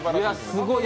すごい。